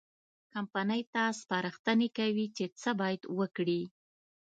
کمپنۍ ته سپارښتنې کوي چې څه باید وکړي.